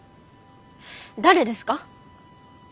誰ですか？